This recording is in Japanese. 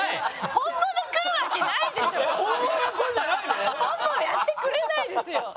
本物やってくれないですよ。